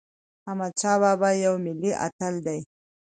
احمدشاه بابا یو ملي اتل دی.